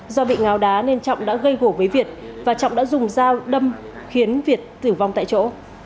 do bị ngáo đá nên trọng đã gây hổ với việt và trọng đã dùng dao đâm khiến việt tử vong tại chỗ